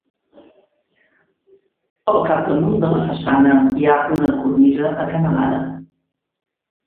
Al capdamunt de la façana hi ha una cornisa acanalada.